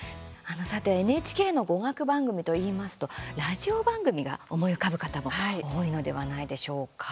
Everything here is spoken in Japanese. さてＮＨＫの語学番組といいますとラジオ番組が思い浮かぶ方も多いのではないでしょうか。